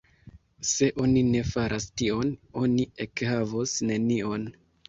Se oni ne faras tion, oni ekhavos nenion.